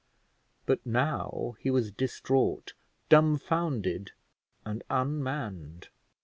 but now he was distraught, dumbfounded, and unmanned.